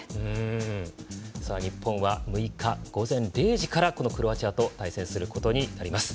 さあ日本は６日午前０時からこのクロアチアと対戦することになります。